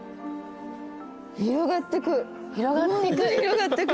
広がってく。